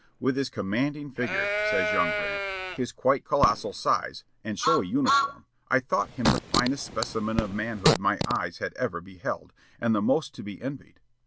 "With his commanding figure," says young Grant, "his quite colossal size, and showy uniform, I thought him the finest specimen of manhood my eyes had ever beheld, and the most to be envied.